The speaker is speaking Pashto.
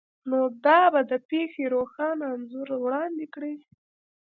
نو دا به د پیښې روښانه انځور وړاندې کړي